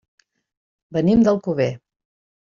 Venim d'Alcover.